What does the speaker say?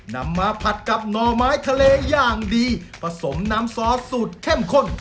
นำมาผัดกับหน่อไม้ทะเลอย่างดีผสมน้ำซอสสูตรเข้มข้น